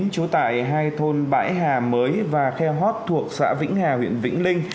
chú tại hai thôn bãi hà mới và khe hót thuộc xã vĩnh hà huyện vĩnh linh